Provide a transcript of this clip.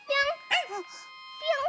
ぴょん！